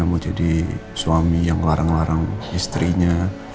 saya gak mau jadi suami yang ngelarang ngelarang istrinya